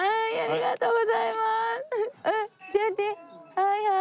はいはーい。